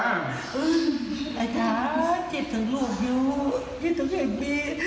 อืมไอ้ทางคิดถึงลูกอยู่คิดถึงแอบบี